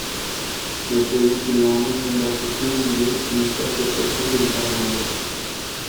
Nei suoi ultimi anni, sembra che Gung Ye cominciasse a soffrire di paranoia.